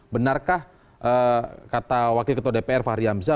benarkah kata wakil ketua dpr fahri hamzah